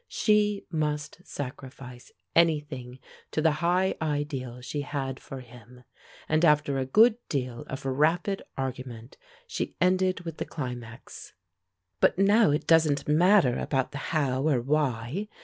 She must sacrifice anything to the high ideal she had for him, and after a good deal of rapid argument she ended with the climax: "But now it doesn't matter about the how or why.